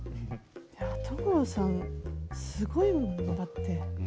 いや所さんすごいもんだって。